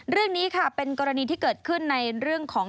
เรื่องนี้ค่ะเป็นกรณีที่เกิดขึ้นในเรื่องของ